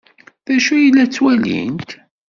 D acu ay la ttwalint?